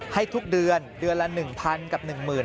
ให้ทุกเดือนเดือนละหนึ่งพันกับหนึ่งหมื่น